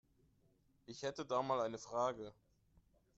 Ich hätte da mal eine Frage.